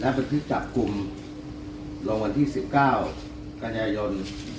ฉันเป็นพี่จับกลุ่มรองวัลที่๑๙กัญญายน๑๙๖๕